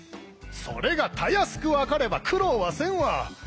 それがたやすく分かれば苦労はせんわ！